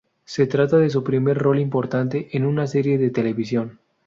Se trata de su primer rol importante en una serie de televisión.